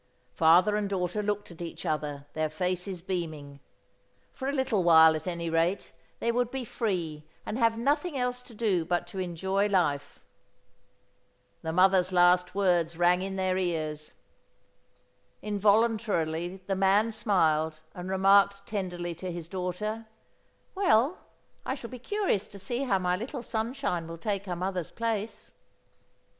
Father and daughter looked at each other, their faces beaming. For a little while, at any rate, they would be free and have nothing else to do but to enjoy life. The mother's last words rang in their ears. Involuntarily the man smiled and remarked tenderly to his daughter: "Well I shall be curious to see how my little sunshine will take her mother's place."